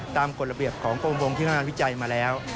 ตามกฎระเบียบของกรมวงที่กำลังวิจัยมาแล้ว